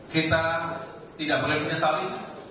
kita tidak boleh menyesali